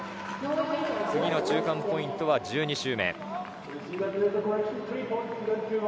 次の中間ポイントは１２周目。